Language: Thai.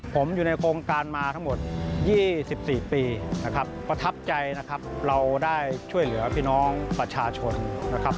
ผมอยู่ในโครงการมาทั้งหมด๒๔ปีนะครับประทับใจนะครับเราได้ช่วยเหลือพี่น้องประชาชนนะครับ